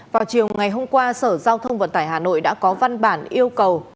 vào chiều ngày hôm qua sở giao thông vận tải hà nội đã có văn bản yêu cầu